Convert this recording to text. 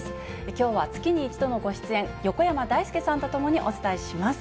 きょうは月に１度のご出演、横山だいすけさんと共にお伝えします。